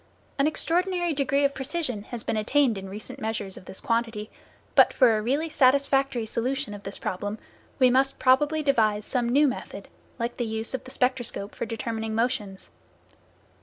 An extraordinary degree of precision has been attained in recent measures of this quantity, but for a really satisfactory solution of this problem, we must probably devise some new method, like the use of the spectroscope for determining motions.